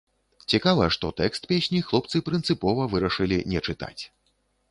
Цікава, што тэкст песні хлопцы прынцыпова вырашылі не чытаць.